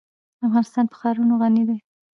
افغانستان په ښارونه غني دی.